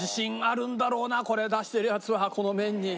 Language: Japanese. これ出してるやつはこの麺に。